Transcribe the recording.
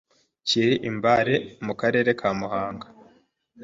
kiri i Mbare mu karere ka Muhanga